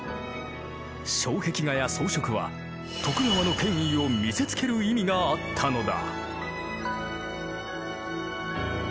障壁画や装飾は徳川の権威を見せつける意味があったのだ。